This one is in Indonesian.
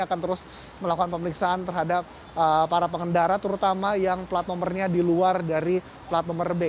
akan terus melakukan pemeriksaan terhadap para pengendara terutama yang plat nomornya di luar dari plat nomor b